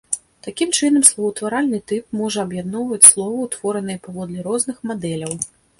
Такім чынам, словаўтваральны тып можа аб'ядноўваць словы, утвораныя паводле розных мадэляў.